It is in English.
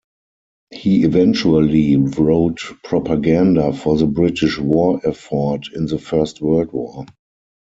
He eventually wrote propaganda for the British war effort in the First World War.